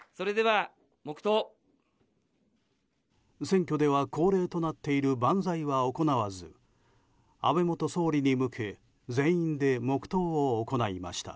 選挙では恒例となっている万歳は行わず安倍元総理に向け全員で黙祷を行いました。